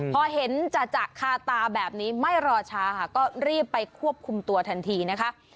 พอเห็นจะคาตาแบบนี้ไม่รอช้าค่ะก็รีบไปควบคุมตัวทันทีนะคะ